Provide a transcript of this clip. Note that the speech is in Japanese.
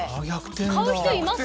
買う人います？